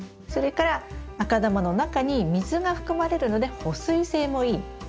それから赤玉の中に水が含まれるので保水性もいい。